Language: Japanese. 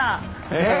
えっ？